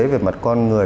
về mặt con người